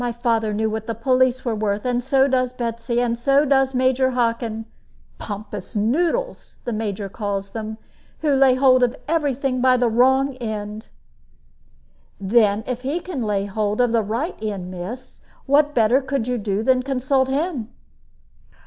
My father knew what the police were worth, and so does Betsy, and so does Major Hockin. 'Pompous noodles,' the Major calls them, who lay hold of every thing by the wrong end." "Then if he can lay hold of the right end, miss, what better could you do than consult him?"